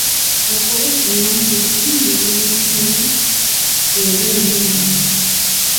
Okubufunamu ebirungi eby'enkomeredde era eby'obuwangaazi.